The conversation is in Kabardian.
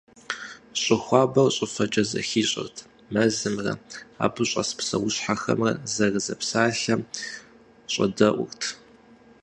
Щӏы хуабэр щӏыфэкӏэ зэхищӏэрт, мэзымрэ, абы щӏэс псэущхьэхэмрэ зэрызэпсалъэм щӏэдэӏурт.